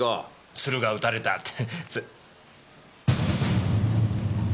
鶴が撃たれたって。